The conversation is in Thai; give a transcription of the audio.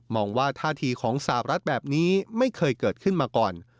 ว่าท่าทีของสาวรัฐแบบนี้ไม่เคยเกิดขึ้นมาก่อน